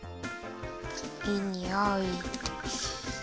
いいにおい。